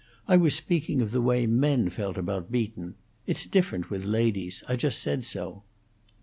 I was speaking of the way men felt about Beaton. It's different with ladies; I just said so."